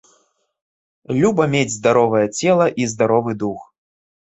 Люба мець здаровае цела і здаровы дух.